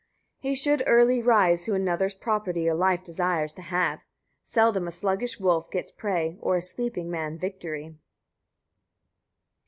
58. He should early rise, who another's property or wife desires to have. Seldom a sluggish wolf gets prey, or a sleeping man victory.